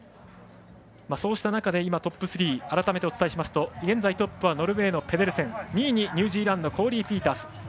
そうした中で、トップ３改めてお伝えしますと現在トップはノルウェーのペデルセン２位にニュージーランドコーリー・ピータース。